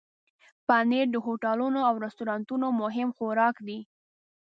پنېر د هوټلونو او رستورانونو مهم خوراک دی.